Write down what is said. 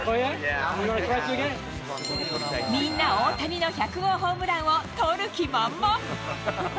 みんな大谷の１００号ホームランを捕る気満々。